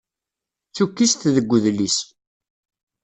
D tukkist deg udlis.